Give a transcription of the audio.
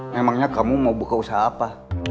memangnya kamu mau buka usaha apa